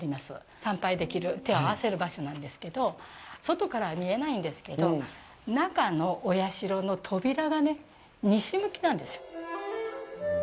参拝できる手を合わせる場所なんですけど外から見えないんですけど中のお社の扉が西向きなんですよ。